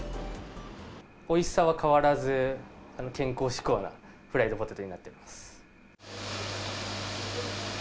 おいしさは変わらず健康志向なフライドポテトになっています。